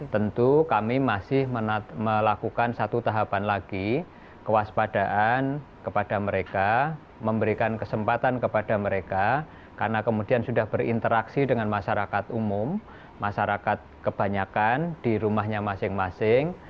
tentu kami masih melakukan satu tahapan lagi kewaspadaan kepada mereka memberikan kesempatan kepada mereka karena kemudian sudah berinteraksi dengan masyarakat umum masyarakat kebanyakan di rumahnya masing masing